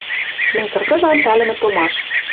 Мӹнь кыргыжым пӓлӹмӹ томаш.